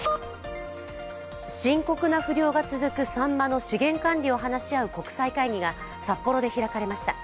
深刻な不漁が続くさんまの資源管理を話し合う国際会議が札幌で開かれました。